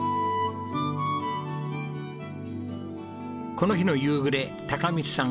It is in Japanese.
この日の夕暮れ貴道さん